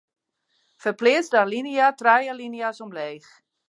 Ferpleats de alinea trije alinea's omleech.